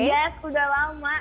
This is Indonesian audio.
yes udah lama